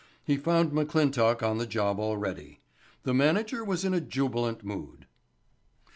He found McClintock on the job already. The manager was in a jubilant mood.